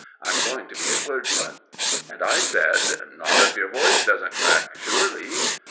I'm going to be a clergyman." And I said: "Not if your voice doesn't crack, surely?"